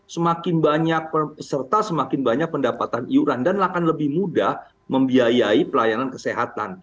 semakin banyak peserta semakin banyak pendapatan iuran dan akan lebih mudah membiayai pelayanan kesehatan